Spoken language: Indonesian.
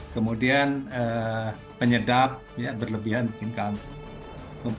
kemudian penyedap ya berlebihan bikin kanker